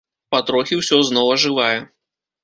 Патрохі ўсё зноў ажывае.